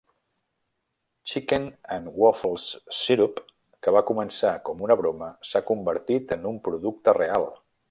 Chicken 'N Waffles Syrup, que va començar com una broma, s'ha convertit en un producte real.